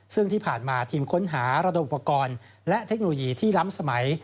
ซึ่งที่ผ่านมาทีมค้นหาระดมอุปกรณ์และเทคโนโลยีที่ล้ำสมัย